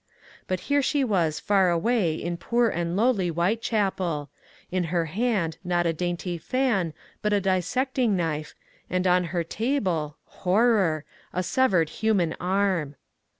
But here she was far away in poor and lowly Whitechapel ; in her hand not a dainty fan but a dissecting knife, and on her table — horror I — a severed human arm.